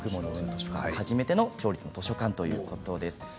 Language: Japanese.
初めての町立の図書館ということです。